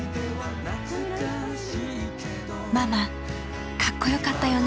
ママかっこよかったよね！